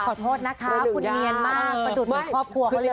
ขอโทษนะคะภรรณุงมากประดุษภากหัวเขาเลย